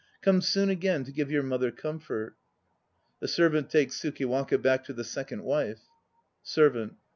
Come soon again to give your mother comfort! (The SERVANT takes TSUKIWAKA back to the SECOND WIFE.) SERVANT.